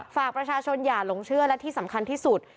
ฝากประชาชนอย่าหลงเชื่อและที่สำคัญที่สุด